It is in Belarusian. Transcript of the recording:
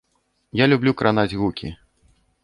Я люблю кранаць гукі.